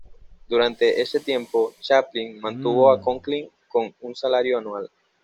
Durante ese tiempo, Chaplin mantuvo a Conklin con un salario anual.